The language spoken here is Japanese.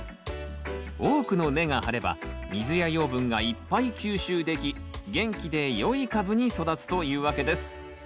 多くの根が張れば水や養分がいっぱい吸収でき元気で良い株に育つというわけです。